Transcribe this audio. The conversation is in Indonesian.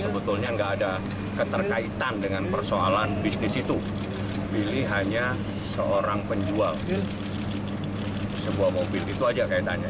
bili hanya seorang penjual sebuah mobil itu saja kaitannya